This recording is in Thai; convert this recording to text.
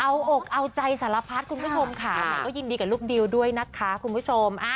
เอาอกเอาใจสารพัดคุณผู้ชมค่ะก็ยินดีกับลูกดิวด้วยนะคะคุณผู้ชม